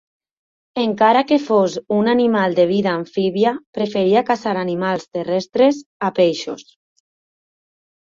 Encara que fos un animal de vida amfíbia, preferia caçar animals terrestres a peixos.